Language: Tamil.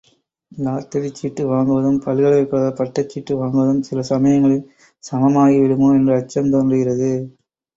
லாட்டரி சீட்டு வாங்குவதும் பல்கலைக் கழகப் பட்டச் சீட்டு வாங்குவதும் சில சமயங்களில் சமமாகிவிடுமோ என்ற அச்சம் தோன்றுகிறது.